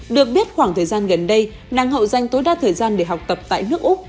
được biết khoảng thời gian gần đây năng hậu danh tối đa thời gian để học tập tại nước úc